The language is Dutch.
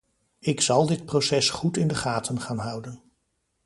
Ik zal dit proces goed in de gaten gaan houden.